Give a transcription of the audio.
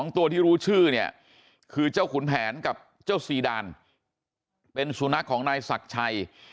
ตัวที่รู้ชื่อเนี่ยคือเจ้าขุนแผนกับเจ้าซีดานเป็นสุนัขของนายศักดิ์ชัย